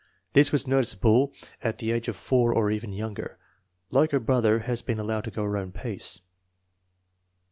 This was noticeable at the age of 4, or even younger." Like her brother, has been allowed to go her own pace.